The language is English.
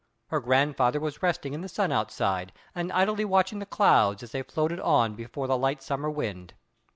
Her grandfather was resting in the sun outside, and idly watching the clouds as they floated on before the light summer wind.